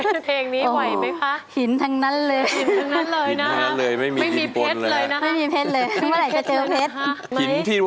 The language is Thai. เพลงเท่งนี้ไหวไหมฟะหินทั้งนั้นเลยหินทั้งนั้นเลยนะครับไม่มีปฏศเลยนะครับ